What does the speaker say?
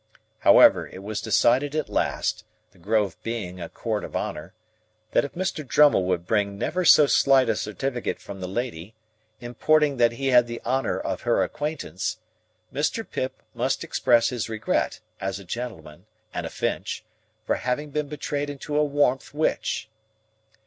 However, it was decided at last (the Grove being a Court of Honour) that if Mr. Drummle would bring never so slight a certificate from the lady, importing that he had the honour of her acquaintance, Mr. Pip must express his regret, as a gentleman and a Finch, for "having been betrayed into a warmth which."